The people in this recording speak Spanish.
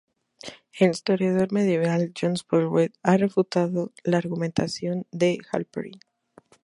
El historiador medieval John Boswell ha refutado la argumentación de Halperin.